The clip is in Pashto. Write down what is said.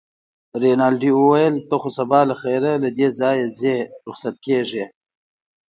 رینالډي وویل: ته خو سبا له خیره له دې ځایه ځې، رخصت کېږې.